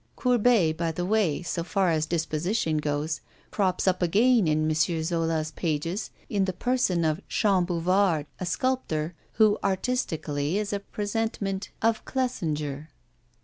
Courbet, by the way, so far as disposition goes, crops up again in M. Zola's pages in the person of Champbouvard, a sculptor, who, artistically, is a presentment of Clesinger.